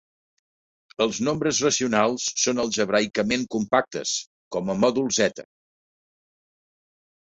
Els nombres racionals són algebraicament compactes com a mòdul Z.